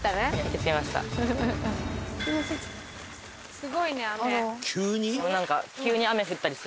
すごいね雨。